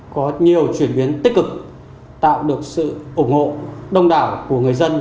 có nhiều chuyển biến tích cực tạo được sự ủng hộ đông đảo của người dân